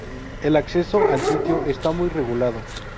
El acceso al sitio está muy regulado.